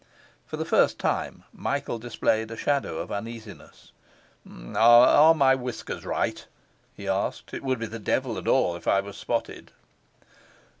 For the first time Michael displayed a shadow of uneasiness. 'Are my whiskers right?' he asked. 'It would be the devil and all if I was spotted.